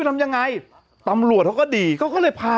มันก็จับไม่ได้มันก็จับไม่ได้มันก็จับไม่ได้